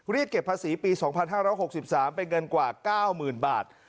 เรียกเก็บภาษีปี๒๕๖๓เป็นเงินกว่า๙๐๐บาท